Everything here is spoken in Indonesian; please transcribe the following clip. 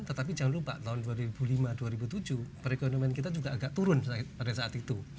tetapi jangan lupa tahun dua ribu lima dua ribu tujuh perekonomian kita juga agak turun pada saat itu